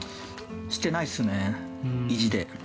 してないっすね、意地で。